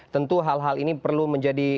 tentu hal hal ini perlu menjadi